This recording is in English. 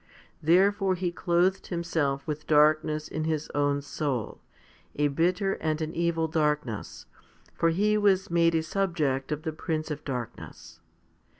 Therefore he clothed himself with darkness in his own soul, a bitter and an evil darkness, for he was made a subject of the prince of darkness.